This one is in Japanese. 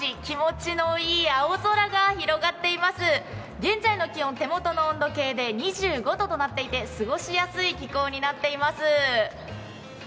現在の気温、手元の温度計で２５度となっていて過ごしやすい気候になっています。